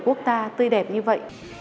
tổ quốc ta tươi đẹp như vậy